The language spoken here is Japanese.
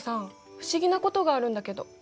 不思議なことがあるんだけど？